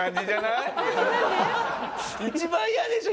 一番嫌でしょ！？